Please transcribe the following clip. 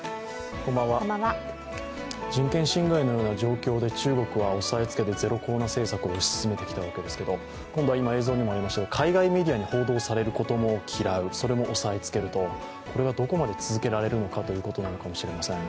人権侵害のような状況で中国は押しつけてゼロコロナ政策を進めてきたわけですけど今度は海外メディアに報道されることも嫌う、それも押さえつけると、これがどこまで続けられるかということかもしれません。